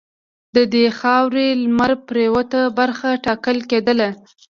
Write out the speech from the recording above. د دې خاورې لمرپرېواته برخه ټاکله کېدله.